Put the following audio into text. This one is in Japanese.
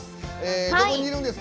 どこにいるんですか？